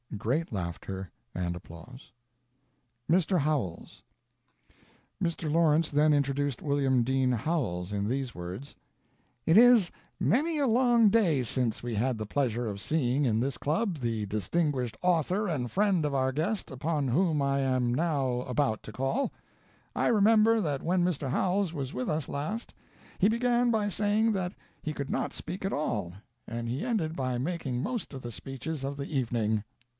[Great laughter and applause.] MR. HOWELLS. Mr. Lawrence then introduced William Dean Howells in these words: "It is many a long day since we had the pleasure of seeing in this club the distinguised author and friend of our guest upon whom I am now about to call. I remember that when Mr. Howells was with up last he began by saying that hecould not speak al all, and he ended by making most of the speeches of the evening.